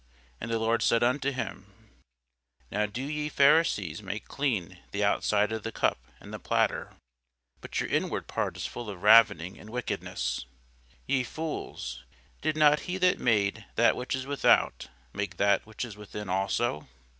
And the Lord said unto him, Now do ye Pharisees make clean the outside of the cup and the platter; but your inward part is full of ravening and wickedness. Ye fools, did not he that made that which is without make that which is within also?